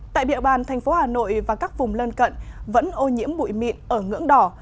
tại địa bàn thành phố hà nội và các vùng lân cận vẫn ô nhiễm bụi mịn ở ngưỡng đỏ